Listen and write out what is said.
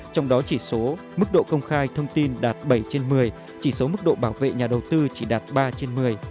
trong đó chỉ số mức độ công khai thông tin đạt bảy trên một mươi chỉ số mức độ bảo vệ nhà đầu tư chỉ đạt ba trên một mươi